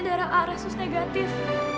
darah a resus negatif